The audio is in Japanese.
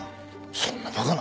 そんなバカな！